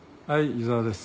井沢です。